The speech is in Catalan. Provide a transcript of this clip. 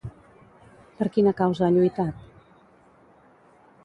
Per quina causa ha lluitat?